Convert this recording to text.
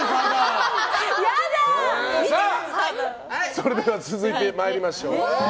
それでは続いて参りましょう。